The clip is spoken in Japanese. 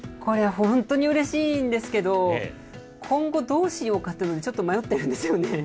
本当にうれしいんですけど、今後、どうしようかと、ちょっと迷ってるんですね。